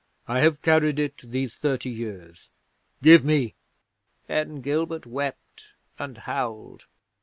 I have carried it these thirty years. Give me!" 'Then Gilbert wept and howled.